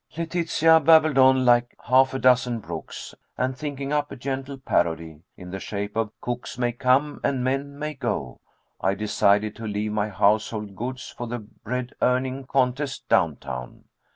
Letitia babbled on like half a dozen brooks, and thinking up a gentle parody, in the shape of, "cooks may come, and men may go," I decided to leave my household gods for the bread earning contest down town.